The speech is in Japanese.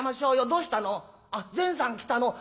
「どうしたの？